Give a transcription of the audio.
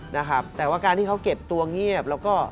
นะครับแต่ว่าการที่เขาเก็บตัวเงียบแล้วก็